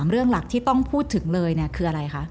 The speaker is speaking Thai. เรื่องหลักที่ต้องพูดถึงเลยคืออะไรคะ